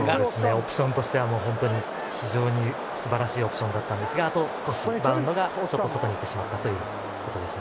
オプションとしては非常にすばらしいオプションでしたがあと少し、バウンドが外に行ってしまったと。